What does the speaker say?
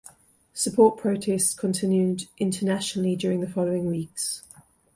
Support protests continued internationally during the following weeks.